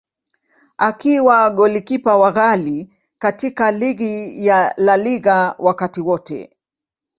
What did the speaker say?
Akiwa golikipa wa ghali katika ligi ya La Liga wakati wote.